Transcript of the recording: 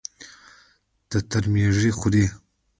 تتر ميږي خوري.